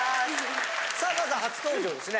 さあまずは初登場ですね。